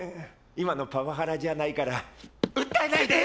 今のパワハラじゃないから訴えないで！